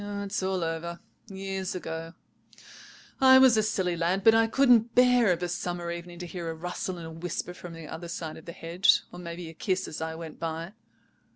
It's all over, years ago. I was a silly lad; but I couldn't bear of a summer evening to hear a rustle and a whisper from the other side of the hedge, or maybe a kiss as I went by.